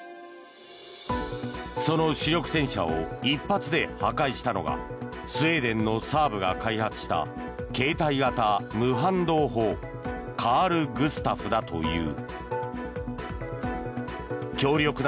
その主力戦車を一発で破壊したのがスウェーデンのＳＡＡＢが開発した携帯型無反動砲カール・グスタフだという。